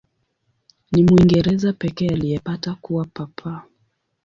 Ni Mwingereza pekee aliyepata kuwa Papa.